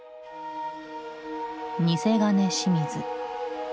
「偽金清水」。